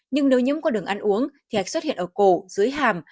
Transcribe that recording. nhưng nếu nhiễm qua đường ăn uống thì hạch xuất hiện ở cổ dưới hàm